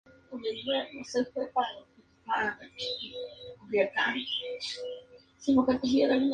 El tráfico ferroviario no estaba restringido.